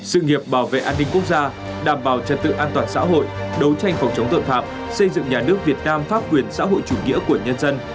sự nghiệp bảo vệ an ninh quốc gia đảm bảo trật tự an toàn xã hội đấu tranh phòng chống tội phạm xây dựng nhà nước việt nam pháp quyền xã hội chủ nghĩa của nhân dân